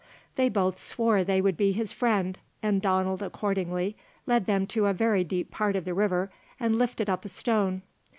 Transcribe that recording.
They both swore they would be his friend, and Donald accordingly led them to a very deep part of the river, and lifted up a stone.